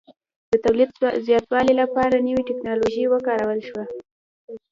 د تولید زیاتوالي لپاره نوې ټکنالوژي وکارول شوه